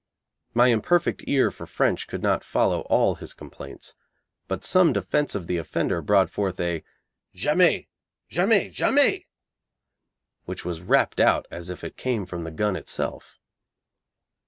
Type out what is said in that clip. My imperfect ear for French could not follow all his complaints, but some defence of the offender brought forth a 'Jamais! Jamais! Jamais!' which was rapped out as if it came from the gun itself.